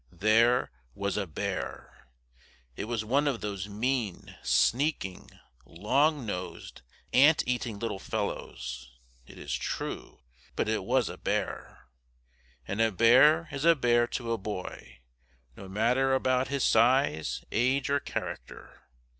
There was a bear! It was one of those mean, sneaking, long nosed, ant eating little fellows, it is true, but it was a bear! And a bear is a bear to a boy, no matter about his size, age or character.